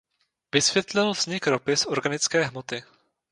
Vysvětlil vznik ropy z organické hmoty.